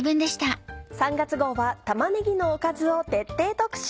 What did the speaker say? ３月号は玉ねぎのおかずを徹底特集。